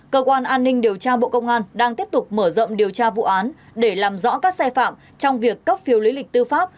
cơ quan an ninh điều tra bộ công an đang tiếp tục mở rộng điều tra vụ án để làm rõ các sai phạm trong việc cấp phiếu lý lịch tư pháp